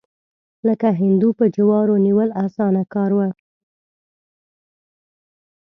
لکه هندو په جوارو نیول، اسانه کار و.